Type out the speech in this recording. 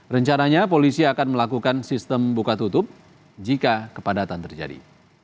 rencananya polisi akan melakukan sistem buka tutup jika kepadatan terjadi